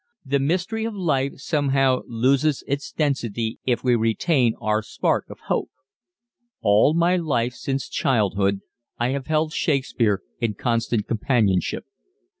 The mystery of life somehow loses its density if we retain our spark of hope. All of my life since childhood I have held Shakespeare in constant companionship.